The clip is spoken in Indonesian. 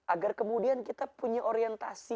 agar kemudian kita punya orientasi